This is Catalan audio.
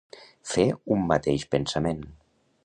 Fer un mateix pensament.